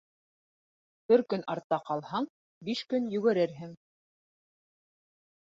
Бер көн артта ҡалһаң, биш көн йүгерерһең.